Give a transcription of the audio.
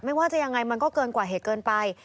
ไม่ว่าจะยังไงมันก็เกินกว่าเหตุเกินไป